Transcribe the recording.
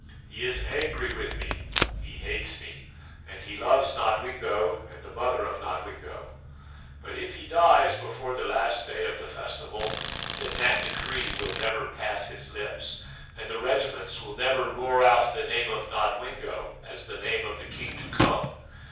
He is angry with me; he hates me, and he loves Nodwengo and the mother of Nodwengo. But if he dies before the last day of the festival, then that decree will never pass his lips, and the regiments will never roar out the name of Nodwengo as the name of the king to come.